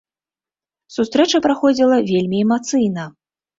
Сустрэча праходзіла вельмі эмацыйна.